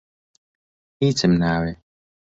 هیچم ناوێ.